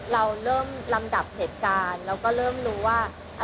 เราเริ่มลำดับเหตุการณ์แล้วก็เริ่มรู้ว่า